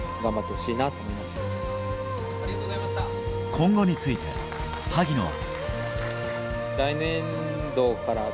今後について、萩野は。